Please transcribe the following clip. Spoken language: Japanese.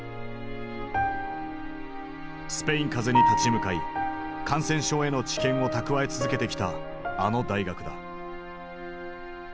スペイン風邪に立ち向かい感染症への知見を蓄え続けてきたあの大学だ。